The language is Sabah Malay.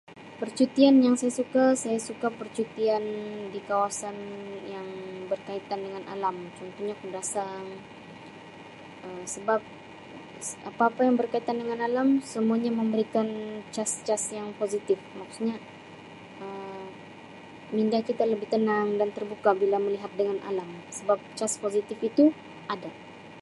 Percutian yang saya suka saya suka percutian di kawasan yang berkaitan dengan alam. Contohnya, Kundasang Um sebab s-apa-apa yang berkaitan dengan alam semuanya memberikan cas-cas yang positif. Maksudnya Um minda kita lebih tenang dan terbuka bila melihat dengan alam sebab cas positif itu ada.